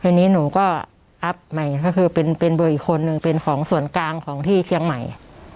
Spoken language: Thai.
ทีนี้หนูก็อัพใหม่ก็คือเป็นเบอร์อีกคนนึงเป็นของส่วนกลางของที่เชียงใหม่